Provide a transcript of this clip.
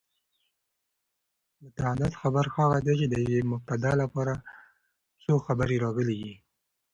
متعدد خبر هغه دئ، چي د یوې مبتداء له پاره څو خبره راغلي يي.